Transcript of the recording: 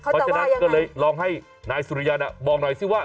เพราะฉะนั้นก็เลยลองให้นายสุริยันบอกหน่อยสิว่า